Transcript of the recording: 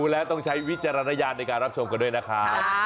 แล้วต้องใช้วิจารณญาณในการรับชมกันด้วยนะครับ